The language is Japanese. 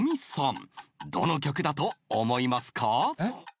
どの曲だと思いますか？